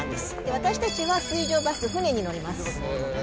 私たちは水上バス、船に乗ります。